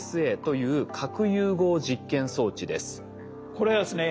これはですね